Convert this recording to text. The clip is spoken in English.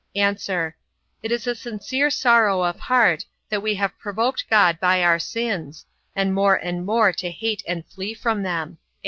A. It is a sincere sorrow of heart, that we have provoked God by our sins; and more and more to hate and flee from them.